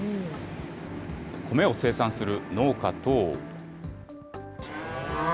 米を生産する農家と。